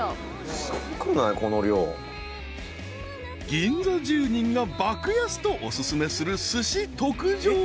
［銀座住人が爆安とお薦めする］